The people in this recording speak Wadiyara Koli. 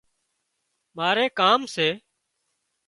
ماري ڪام سي